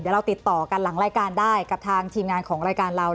เดี๋ยวเราติดต่อกันหลังรายการได้กับทางทีมงานของรายการเรา